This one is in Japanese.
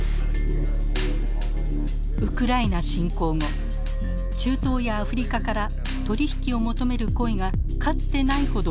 ウクライナ侵攻後中東やアフリカから取り引きを求める声がかつてないほど寄せられました。